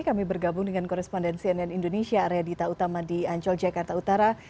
kami bergabung dengan korespondensi nn indonesia area dita utama di ancol jakarta utara